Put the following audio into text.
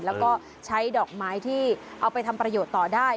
แล้วก็ใช้ดอกไม้ที่เอาไปทำประโยชน์ต่อได้